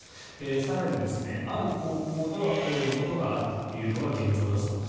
更に、ある高校ではこういうことがあるというのが現状だそうです。